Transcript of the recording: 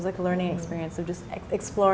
seperti pengalaman belajar